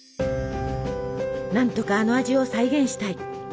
何とかあの味を再現したい。